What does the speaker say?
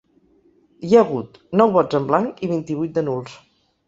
Hi ha hagut nou vots en blanc i vint-i-vuit de nuls.